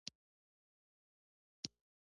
سبزي ټوټې کړئ